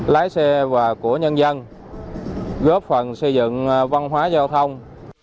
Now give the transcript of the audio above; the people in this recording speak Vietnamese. lái xe và của nhân dân góp phần xây dựng văn hóa giao thông